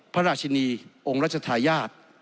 พระราชินีองค์รัชธาญาติ